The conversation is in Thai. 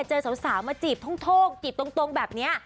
เจอสาวมาจีบโท่งจีบตรงแบบนี้